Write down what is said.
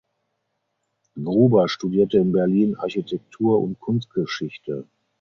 Gruber studierte in Berlin Architektur und Kunstgeschichte.